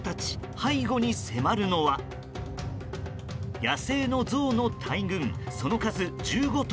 背後に迫るのは野生のゾウの大群その数、１５頭。